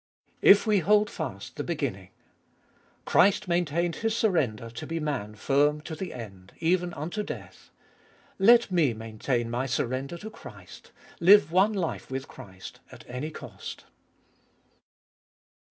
3. If we hold fast the beginning1. Christ maintained His surrender to be Man firm to the end, even unto death. Let me maintain my surrender to Christ, Hue one life with Christ, at any cost.